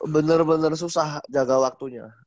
bener bener susah jaga waktunya